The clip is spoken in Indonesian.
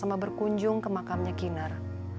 sama sama berkunjung ke makamnya kiner